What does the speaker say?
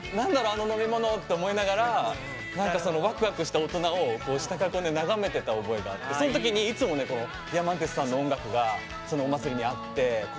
あの飲み物って思いながら何かそのワクワクした大人を下から眺めてた覚えがあってその時にいつもＤＩＡＭＡＮＴＥＳさんの音楽がお祭りにあってこれはね